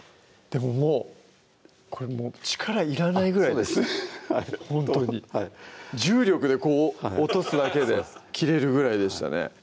でももうこれ力いらないぐらいほんとにはい重力でこう落とすだけで切れるぐらいでしたね